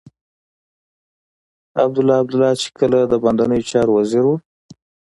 عبدالله عبدالله چې کله د باندنيو چارو وزير و.